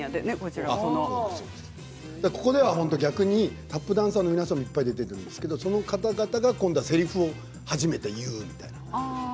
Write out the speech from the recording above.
ここでは逆にタップダンサーの皆さんもいっぱい出ているんですけれども、その方々が初めてせりふを言うみたいな。